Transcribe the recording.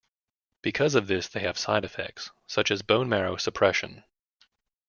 Because of this they have side effects such as bone marrow suppression.